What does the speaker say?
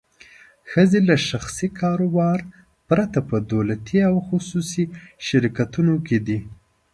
ښځې له شخصي کاروبار پرته په دولتي او خصوصي شرکتونو کې دي.